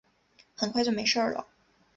很快就没事了